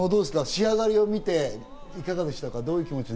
仕上がりを見ていかがでしたか？